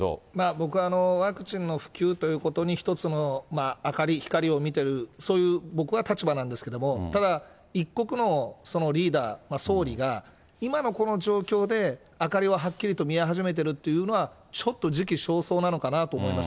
僕はワクチンの普及ということに一つの明かり、光を見てる、そういう僕は立場なんですけど、ただ、一国のリーダー、総理が、今のこの状況で、明かりをはっきりと見え始めているというのは、ちょっと時期尚早なのかなと思います。